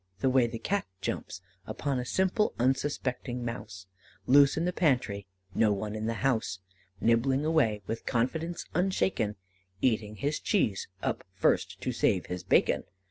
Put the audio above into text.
The way the Cat jumps Upon a simple unsuspecting mouse Loose in the pantry, no one in the house, Nibbling away, with confidence unshaken, Eating his cheese up first to save his bacon.